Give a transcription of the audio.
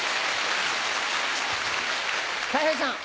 たい平さん。